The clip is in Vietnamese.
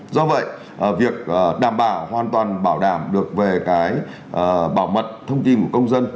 do vậy việc đảm bảo hoàn toàn bảo đảm được về cái bảo mật thông tin của công dân